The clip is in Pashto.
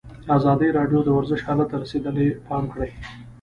ازادي راډیو د ورزش حالت ته رسېدلي پام کړی.